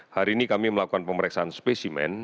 hari ini kami melakukan pemeriksaan spesimen